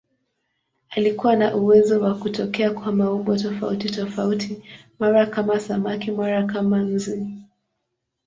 Alikuwa na uwezo wa kutokea kwa maumbo tofautitofauti, mara kama samaki, mara kama nzi.